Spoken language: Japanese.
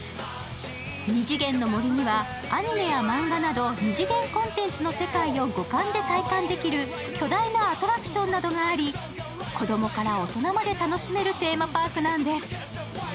ニジゲンノモリにはアニメやマンガなど２次元コンテンツの世界を五感で体感できる巨大なアトラクションなどがあり子供から大人まで楽しめるテーマパークなんです。